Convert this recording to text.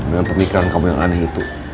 dengan pemikiran kamu yang aneh itu